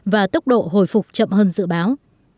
và tốc độ hồi phục chậm hơn dự báo